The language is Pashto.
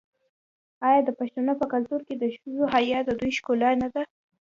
آیا د پښتنو په کلتور کې د ښځو حیا د دوی ښکلا نه ده؟